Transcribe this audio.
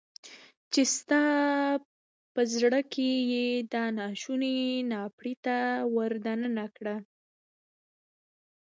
چې ستا په زړه کې يې دا ناشونی ناپړیته ور دننه کړه.